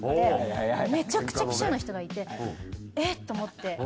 めちゃくちゃ記者の人がいてえっ！？と思って。